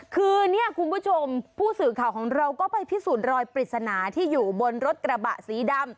คือเนี่ยคุณผู้ชมผู้สื่อข่าวของเราก็ไปพิสูจน์รอยปริศนาที่อยู่บนรถกระบะสีดำ